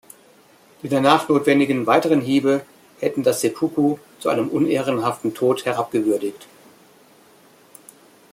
Die danach notwendigen weiteren Hiebe hätten das Seppuku zu einem unehrenhaften Tod herabgewürdigt.